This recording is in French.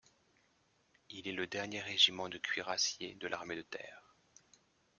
Il est le dernier régiment de Cuirassiers de l'armée de Terre.